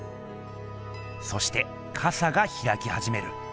そしてかさがひらきはじめる。